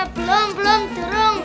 belum belum belum